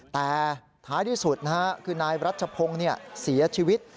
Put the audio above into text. แต่ท้ายที่สุดคือนายรัชพงศ์เสียชีวิต